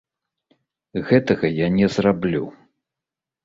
Гэтага я не зраблю.